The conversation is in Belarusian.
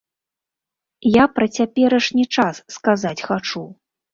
Я пра цяперашні час сказаць хачу.